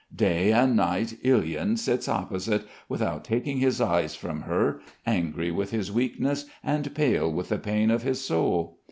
Day and night Ilyin sits opposite, without taking his eyes from her, angry with his weakness and pale with the pain of his soul.